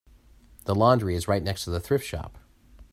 The laundry is right next to the thrift shop.